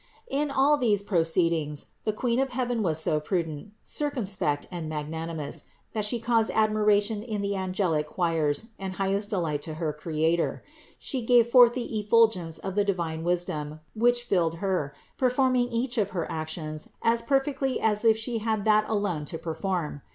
535. In all these proceedings the Queen of heaven was 450 CITY OF GOD so prudent, circumspect and magnanimous, that She caused admiration in the angelic choirs and highest de light to her Creator. She gave forth the effulgence of the divine wisdom, which filled Her, performing each of her actions as perfectly as if She had that alone to per form.